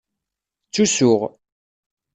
Ttusuɣ.